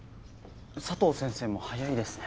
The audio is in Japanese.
佐藤先生も早いですね。